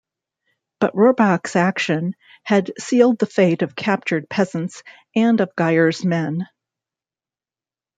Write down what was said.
But Rohrbach's action had sealed the fate of captured peasants and of Geyer's men.